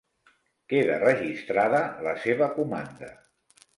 Queda registrada la seva comanda.